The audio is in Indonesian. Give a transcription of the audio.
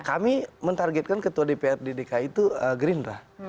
kami menargetkan ketua dpr di dki itu gerindra